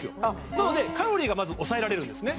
なのでカロリーがまず抑えられるんですね